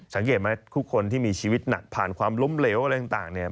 สังเกตไหมทุกคนที่มีชีวิตหนักผ่านความล้มเหลวอะไรต่างเนี่ย